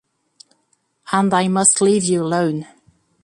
And I must leave you alone.